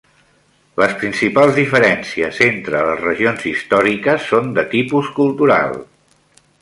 Les principals diferències entre les regions històriques són de tipus cultural.